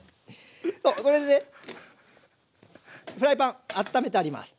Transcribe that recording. これでねフライパンあっためてあります。